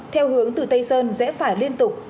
theo hướng từ tây sơn rẽ phải liên tục